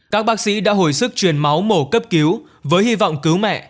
các bác sĩ đã hồi sức truyền máu mổ cấp cứu với hy vọng cứu mẹ